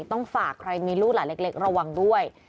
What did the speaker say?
ต้องฝากใครมีลูกหลานเล็กระวังด้วย